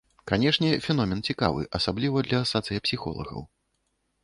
Канешне, феномен цікавы, асабліва для сацыяпсіхолагаў.